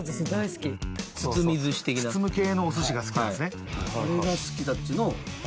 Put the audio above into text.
包む系のおすしが好きなんすね。